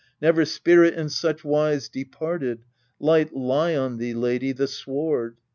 Never spirit in such wise departed. Light lie on thee, lady, the sward